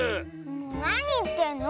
なにいってんの？